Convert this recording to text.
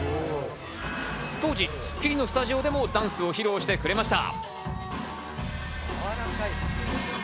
当時『スッキリ』のスタジオでもダンスを披露してくれました。